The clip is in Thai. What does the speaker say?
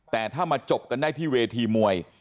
แต่ถ้ามาจบกันได้ที่เวทีมวย